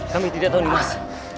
kami tidak tahu nimas